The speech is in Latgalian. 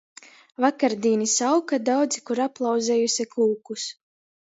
Vakardīnys auka daudzi kur aplauzejuse kūkus.